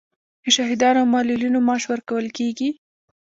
د شهیدانو او معلولینو معاش ورکول کیږي؟